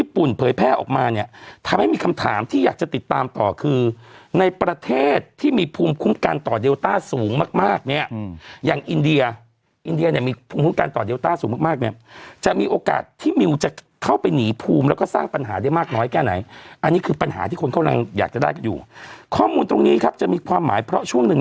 เผยแพร่ออกมาเนี่ยทำให้มีคำถามที่อยากจะติดตามต่อคือในประเทศที่มีภูมิคุ้มกันต่อเดลต้าสูงมากมากเนี่ยอย่างอินเดียอินเดียเนี่ยมีภูมิคุ้มกันต่อเดลต้าสูงมากมากเนี่ยจะมีโอกาสที่มิวจะเข้าไปหนีภูมิแล้วก็สร้างปัญหาได้มากน้อยแค่ไหนอันนี้คือปัญหาที่คนกำลังอยากจะได้กันอยู่ข้อมูลตรงนี้ครับจะมีความหมายเพราะช่วงหนึ่ง